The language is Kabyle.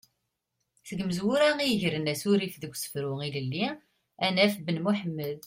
Seg yimezwura i yegren asurif deg usefru ilelli ad naf Ben Muḥemmed.